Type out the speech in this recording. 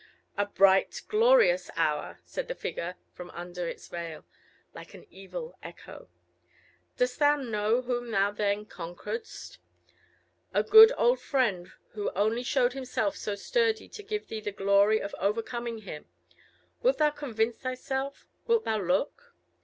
"A bright, glorious hour!" said the figure from under its veil, like an evil echo. "Dost thou know whom thou then conqueredst? A good old friend, who only showed himself so sturdy to give thee the glory of overcoming him. Wilt thou convince thyself? Wilt thou look?"